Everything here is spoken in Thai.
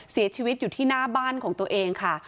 เสียชีวิตอยู่ที่หน้าบ้านของตัวเองค่ะ